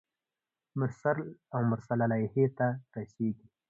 مرسل او مرسل الیه ته رسیږي.